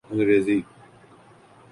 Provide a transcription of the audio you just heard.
انگریزی